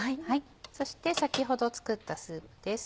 そして先ほど作ったスープです。